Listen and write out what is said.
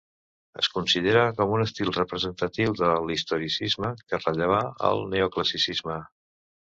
Es considera com un estil representatiu de l'Historicisme, que rellevà el Neoclassicisme.